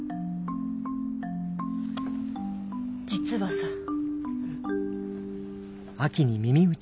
実はさ。